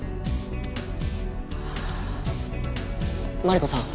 マリコさん